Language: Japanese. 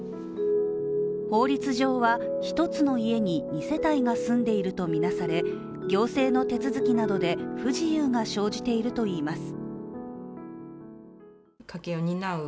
法律上は、１つの家に２世帯が住んでいるとみなされ行政の手続きなどで不自由が生じているといいます。